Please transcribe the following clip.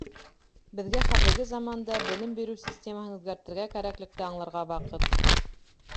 Беҙгә хәҙерге заманда белем биреү системаһын үҙгәртергә кәрәклекте аңларға ваҡыт.